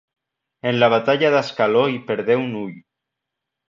En la batalla d'Ascaló hi perdé un ull.